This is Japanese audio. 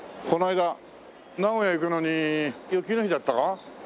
この間名古屋行くのに雪の日だったか？